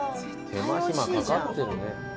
手間ひまかかってるね。